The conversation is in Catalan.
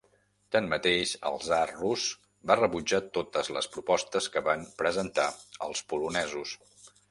Tanmateix, el tsar rus va rebutjat totes les propostes que van presentar els polonesos.